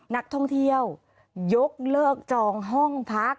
นักท่องเที่ยวยกเลิกจองห้องพัก